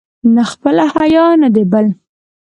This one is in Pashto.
نه خپله حیا، نه د بل.